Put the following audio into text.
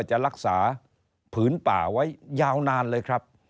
จะรักษาผืนป่าไว้ยาวนานเลยครับ